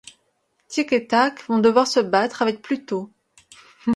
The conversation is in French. Tic et Tac vont devoir se battre avec Pluto.